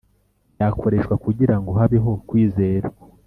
yakoreshwa kugira ngo habeho kwizera